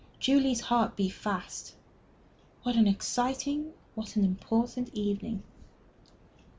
Julie's heart beat fast. What an exciting, what an important evening!...